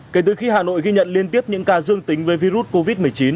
kể từ khi hà nội ghi nhận liên tiếp những ca dương tính với virus covid một mươi chín